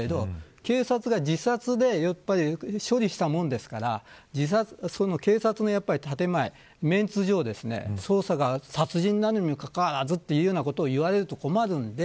警察が自殺で処理したものですから警察の建前、面子上捜査が殺人なのにもかかわらずと言われるのは困るので